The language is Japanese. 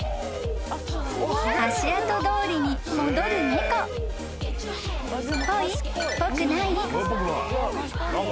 ［足跡どおりに戻る猫］ぽくない。